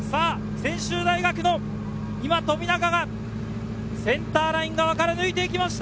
専修大学の冨永がセンターライン側から抜いて行きました。